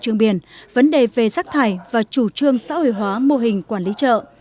trường biển vấn đề về giác thải và chủ trương xã hội hóa mô hình quản lý trợ